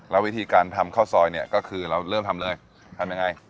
แล้ววิธีการทำข้าวซอยเนี่ยก็คือเราเริ่มทำเลยทำยังไง